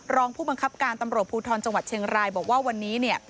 รองผู้บังคับการตำรวจภูทรจังหวัดเชียงรายบอกว่าวันนี้เนี่ย